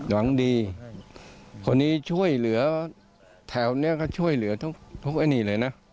หวังดีคนนี้ช่วยเหลือแถวนี้ก็ช่วยเหลือทุกอันนี้เลยนะ